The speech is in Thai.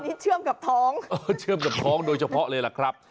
นี่เชื่อมกับท้องเชื่อมกับท้องโดยเฉพาะเลยล่ะครับ